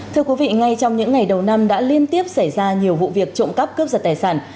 thưa quý vị ngay trong những ngày đầu năm đã liên tiếp xảy ra nhiều vụ việc trộm cắp cướp giật tài sản